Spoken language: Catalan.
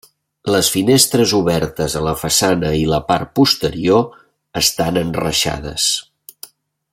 Les finestres obertes a la façana i la part posterior estan enreixades.